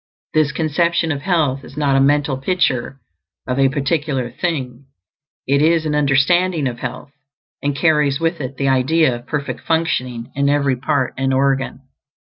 This Conception of Health is not a mental picture of a particular thing; it is an understanding of health, and carries with it the idea of perfect functioning in every part and organ.